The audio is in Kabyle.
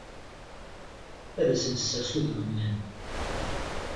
Ad s-nessers udem-nniḍen.